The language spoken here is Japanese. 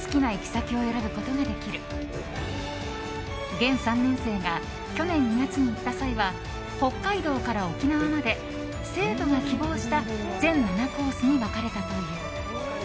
現３年生が去年２月に行った際は北海道から沖縄まで生徒が希望した全７コースに分かれたという。